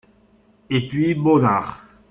Et puis Bonnard.